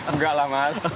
enggak lah mas